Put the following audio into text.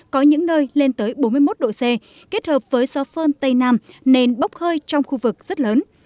có những nơi lên tới bốn mươi một độ c kết hợp với gió phơn tây nam nền bốc hơi trong khu vực rất lớn